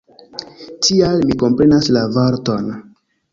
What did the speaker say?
Tial, mi komprenas la vorton.